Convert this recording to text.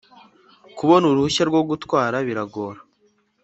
Kubona uruhushya rwogutwara biragora